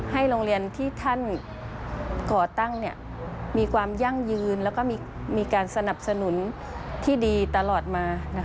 โรงเรียนที่ท่านก่อตั้งมีความยั่งยืนแล้วก็มีการสนับสนุนที่ดีตลอดมา